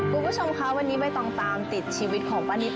คุณผู้ชมคะวันนี้ใบตองตามติดชีวิตของป้านิต